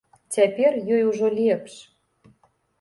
Цяпер ёй ужо лепш.